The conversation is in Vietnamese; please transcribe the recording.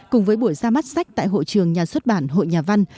cùng với buổi ra mắt sách tại hội trường nhà xuất bản hội nhà văn